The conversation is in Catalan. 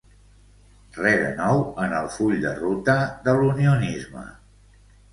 Res de nou en el full de ruta de l’unionisme.